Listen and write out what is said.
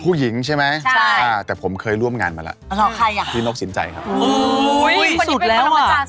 ผู้หญิงใช่ไหมแต่ผมเคยร่วมงานมาแล้วที่นกศิลป์ใจครับอุ้ยสุดแล้วอะ